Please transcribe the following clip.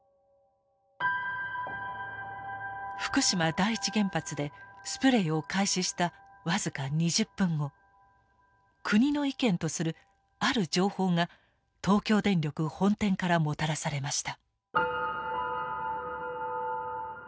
福島第一原発でスプレイを開始した僅か２０分後国の意見とするある情報が東京電力本店からもたらされました。